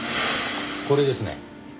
これですね。